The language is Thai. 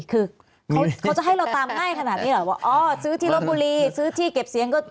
คือเขาจะให้เราตามง่ายขนาดนี้เหรอว่าอ๋อซื้อที่ลบบุรีซื้อที่เก็บเสียงก็